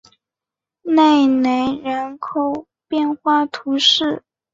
内雷人口变化图示